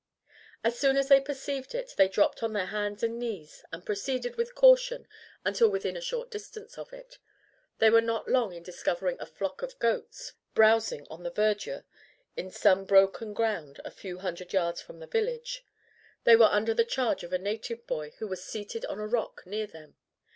As soon as they perceived it they dropped on their hands and knees and proceeded with caution until within a short distance of it. They were not long in discovering a flock of goats browsing on the verdure in some broken ground a few hundred yards from the village. They were under the charge of a native boy, who was seated on a rock near them.